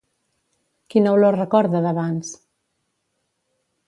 Quina olor recorda d'abans?